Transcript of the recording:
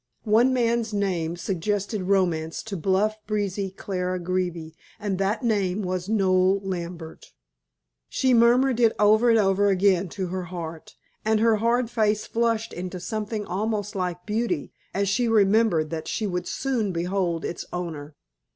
One man's name suggested romance to bluff, breezy Clara Greeby, and that name was Noel Lambert. She murmured it over and over again to her heart, and her hard face flushed into something almost like beauty, as she remembered that she would soon behold its owner.